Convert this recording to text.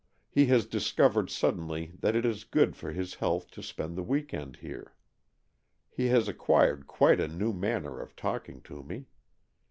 He has discovered suddenly that it is good for his health to spend the week end here. He has acquired quite a new manner of talking to me.